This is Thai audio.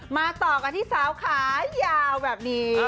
มาต่อกันที่สาวขายาวแบบนี้